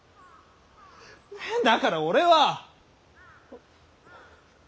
だから俺は。